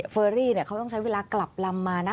อรี่เขาต้องใช้เวลากลับลำมานะ